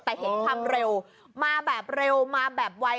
แต่เห็นความเร็วมาแบบเร็วมาแบบไว